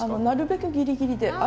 なるべくギリギリで。